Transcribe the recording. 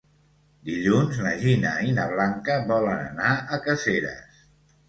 Dilluns na Gina i na Blanca volen anar a Caseres.